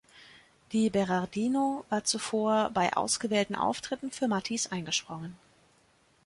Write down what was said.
DiBerardino war zuvor bei ausgewählten Auftritten für Mathis eingesprungen.